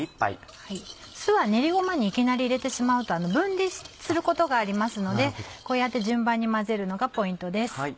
酢は練りごまにいきなり入れてしまうと分離することがありますのでこうやって順番に混ぜるのがポイントです。